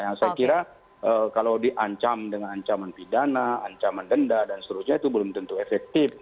yang saya kira kalau diancam dengan ancaman pidana ancaman denda dan seterusnya itu belum tentu efektif